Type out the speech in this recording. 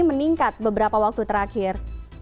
meningkat beberapa waktu terakhir